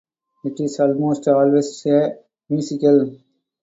It is almost always a musical.